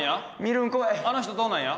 あの人どうなんや？